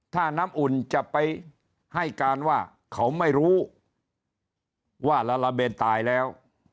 ถ้าน้ำอุ่นจะไปให้การว่าเขาไม่รู้ว่าลาลาเบนตายแล้ว